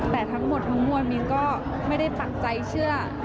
แต่ทั้งหมดทั้งมวลมิ้นก็ไม่ได้ปักใจเชื่อ